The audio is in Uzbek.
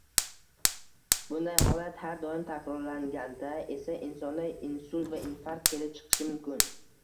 Bunday holat har doim takrorlanganda esa insonda insult va infarkt kelib chiqishi mumkin.